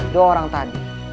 dua orang tadi